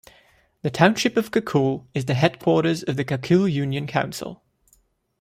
The township of Kakul is the headquarters of Kakul Union Council.